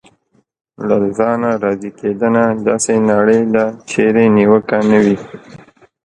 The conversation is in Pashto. له ځانه راضي کېدنه: داسې نړۍ ده چېرې نیوکه نه وي.